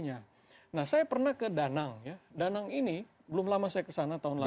nah saya pernah ke danang ya danang ini belum lama saya kesana tahun lalu